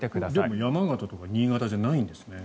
でも山形とか新潟じゃないんですね。